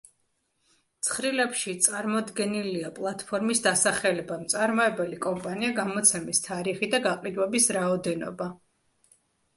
ცხრილებში წარმოდგენილია პლატფორმის დასახელება, მწარმოებელი კომპანია, გამოცემის თარიღი და გაყიდვების რაოდენობა.